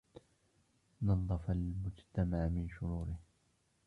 نظِّف المجتمع من شروره.